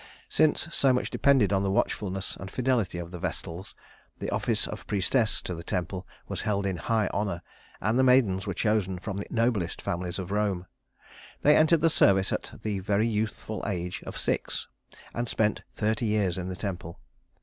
Since so much depended on the watchfulness and fidelity of the Vestals, the office of priestess to the temple was held in high honor, and the maidens were chosen from the noblest families of Rome. They entered the service at the very youthful age of six, and spent thirty years in the temple.